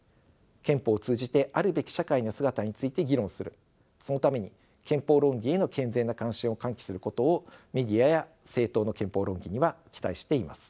憲法を通じてあるべき社会の姿について議論するそのために憲法論議への健全な関心を喚起することをメディアや政党の憲法論議には期待しています。